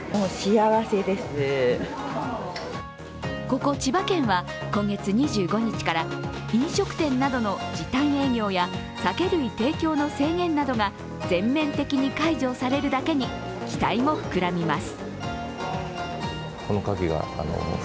ここ千葉県は今月２５日から飲食店などの時短営業や酒類提供の制限などが全面的に解除されるだけに期待も膨らみます。